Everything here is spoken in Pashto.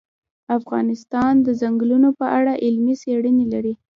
افغانستان د چنګلونه په اړه علمي څېړنې لري.